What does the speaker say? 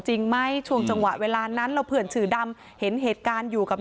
จริงไหมช่วงจังหวะเวลานั้นแล้วเพื่อนชื่อดำเห็นเหตุการณ์อยู่กับ